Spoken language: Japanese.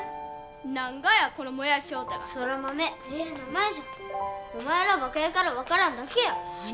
何がやこのもやし翔太が空豆ええ名前じゃお前らはバカやから分からんだけや何！